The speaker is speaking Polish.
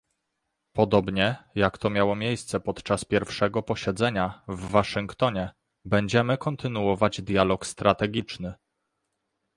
Podobnie, jak to miało miejsce podczas pierwszego posiedzenia, w Waszyngtonie, będziemy kontynuować dialog strategiczny